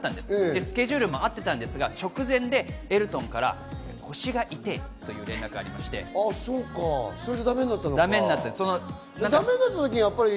スケジュールも合ってたんですが、直前でエルトンから腰が痛ぇという連絡があってだめになったんです。